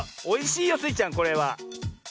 おいしいよスイちゃんこれは。